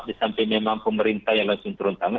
disamping memang pemerintah yang langsung turun tangan